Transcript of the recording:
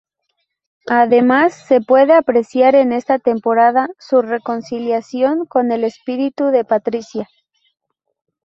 Además se puede apreciar en esta temporada su reconciliación con el espíritu de Patricia.